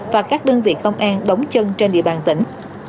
và các đơn vị công an đóng chân trên địa bàn tỉnh